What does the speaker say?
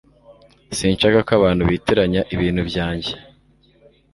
Sinshaka ko abantu bitiranya ibintu byanjye